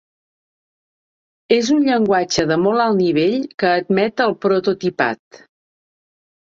És un llenguatge de molt alt nivell que admet el prototipat.